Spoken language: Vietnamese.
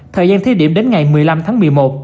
thời gian thi điểm đến ngày một mươi năm tháng một mươi một